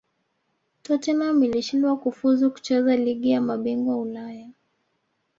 tottenham ilishindwa kufuzu kucheza ligi ya mabingwa ulaya